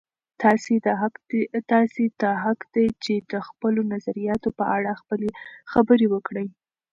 تاسې ته حق دی چې د خپلو نظریاتو په اړه خبرې وکړئ.